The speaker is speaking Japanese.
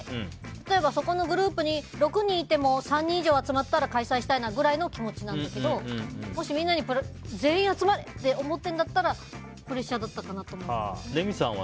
例えばそこのグループに６人いても３人以上集まったら開催したいなくらいの気持ちなんだけどもし、全員集まれ！って思ってるんだったらプレッシャーだったかなと思います。